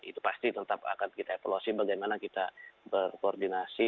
itu pasti tetap akan kita evaluasi bagaimana kita berkoordinasi